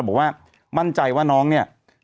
บอกว่ามั่นใจว่าน้องเนี่ย